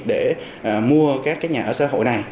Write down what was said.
để mua các cái nhà ở xã hội này